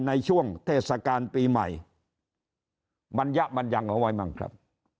ในช่วงเทศกาลปีใหม่บรรยะมันยังเอาไว้มั่งครับ